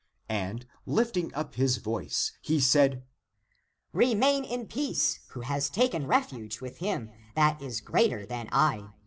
And lifting up his voice, he said, " Remain in peace who has taken refuge with him, that is greater than I.